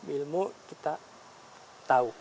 ilmu kita tahu